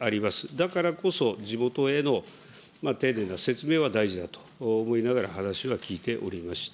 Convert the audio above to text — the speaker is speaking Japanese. だからこそ、地元への丁寧な説明は大事だと思いながら、話は聞いておりました。